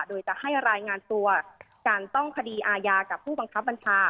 โดยจะให้รายงานตัวการต้องคดีอาญากับผู้บังคับบัญชา